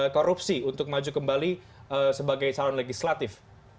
korupsi untuk maju kembali sebagai calon legislatif